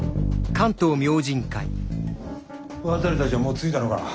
渡たちはもう着いたのか？